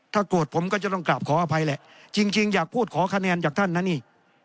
โกรธผมก็จะต้องกลับขออภัยแหละจริงอยากพูดขอคะแนนจากท่านนะนี่